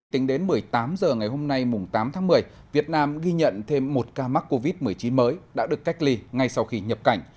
tính đến một mươi tám h ngày hôm nay tám tháng một mươi việt nam ghi nhận thêm một ca mắc covid một mươi chín mới đã được cách ly ngay sau khi nhập cảnh